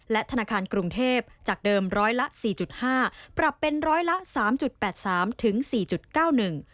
และธนาคารกรุงเทพจากเดิมร้อยละ๔๕ปรับเป็นร้อยละ๓๘๓ถึง๔๙๑